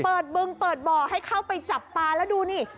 บึงเปิดบ่อให้เข้าไปจับปลาแล้วดูนี่